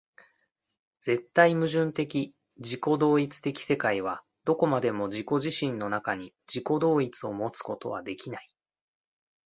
絶対矛盾的自己同一的世界はどこまでも自己自身の中に、自己同一をもつことはできない。